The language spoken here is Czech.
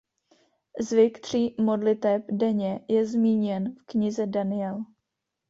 Zvyk tří modliteb denně je zmíněn v knize Daniel.